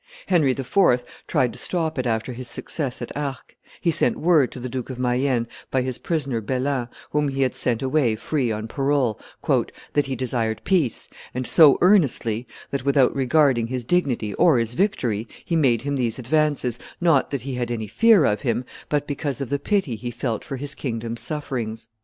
Henry IV. tried to stop it after his success at Arques; he sent word to the Duke of Mayenne by his prisoner Belin, whom he had sent away free on parole, "that he desired peace, and so earnestly, that, without regarding his dignity or his victory, he made him these advances, not that he had any fear of him, but because of the pity he felt for his kingdom's sufferings."